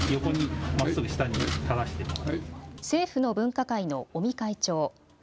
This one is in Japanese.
政府の分科会の尾身会長。